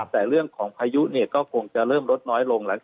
แต่เรื่องของพายุก็คงจะเริ่มลดน้อยลง